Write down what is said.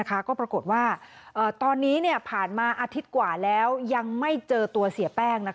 ก็ปรากฏว่าตอนนี้ผ่านมาอาทิตย์กว่าแล้วยังไม่เจอตัวเสียแป้ง